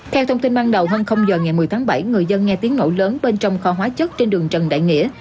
theo thông tin ban đầu hơn giờ ngày một mươi tháng bảy người dân nghe tiếng nổ lớn bên trong kho hóa chất trên đường trần đại nghĩa